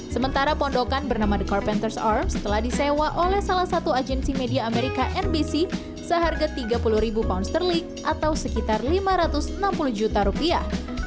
sementara pondokan bernama the corpenters arms telah disewa oleh salah satu agensi media amerika nbc seharga tiga puluh ribu pound ster league atau sekitar lima ratus enam puluh juta rupiah